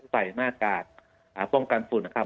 ใส่หน้ากากป้องกันฝุ่นนะครับ